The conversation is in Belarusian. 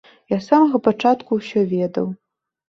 Я з самага пачатку ўсё ведаў.